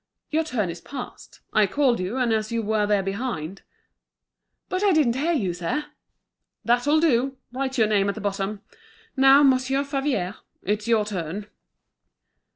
"Your turn is passed. I called you, and as you were there behind—" "But I didn't hear you, sir." "That'll do! Write your name at the bottom. Now, Monsieur Favier, it's your turn."